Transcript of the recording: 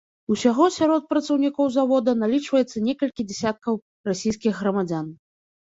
Усяго сярод працаўнікоў завода налічваецца некалькі дзесяткаў расійскіх грамадзян.